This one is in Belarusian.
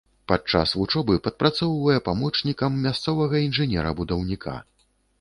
Падчас вучобы падпрацоўвае памочнікам мясцовага інжынера-будаўніка.